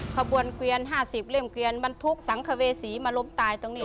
ขบวนเกวียน๕๐เล่มเกวียนบรรทุกสังเวษีมาล้มตายตรงนี้